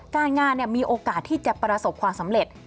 การงานมีโอกาสที่จะประสบความสำเร็จ